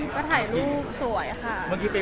เข้าถ่ายรูปสวยค่ะ